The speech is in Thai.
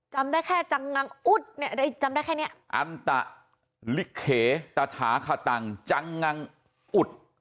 จำได้แค่จังงังอุฏอันตริเคตาธหาคตังจังงังอุฏ